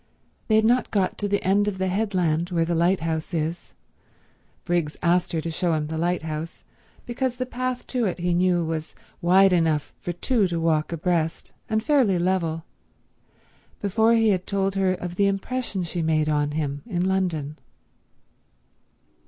They had not got to the end of the headland where the lighthouse is—Briggs asked her to show him the lighthouse, because the path to it, he knew, was wide enough for two to walk abreast and fairly level—before he had told her of the impression she made on him in London.